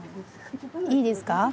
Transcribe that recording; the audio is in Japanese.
いいですか？